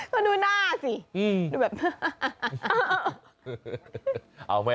ก็ดูหน้าสิ